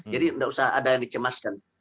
jadi tidak usah ada yang dicemaskan